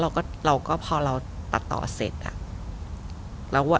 เราก็เราก็พอเราตัดต่อเสร็จอะ